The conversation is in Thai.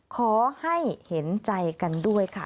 ขอให้เห็นใจกันด้วยค่ะ